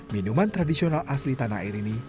minuman tradisional asli tanah air ini